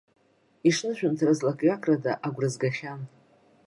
Ишнышәынҭраз лакҩакрада агәра згахьан.